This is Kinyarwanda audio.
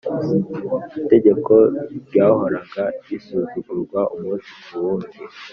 Itegeko ryahoraga risuzugurwa umunsi kuwundi